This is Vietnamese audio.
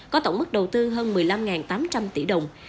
có tổng mức đầu tư hơn một mươi năm tám trăm linh tỷ đồng